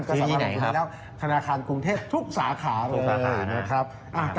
ก็สามารถลงทุนได้แล้วธนาคารกรุงเทศทุกสาขาเลยนะครับคือที่ไหนครับ